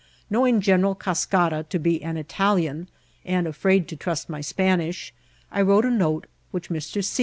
Know* ing General Cascara to be an Italian, and afraid to trust my Spanish, I wrote a note, which Mr. C.